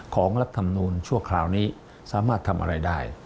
รัฐธรรมนูลชั่วคราวนี้สามารถทำอะไรได้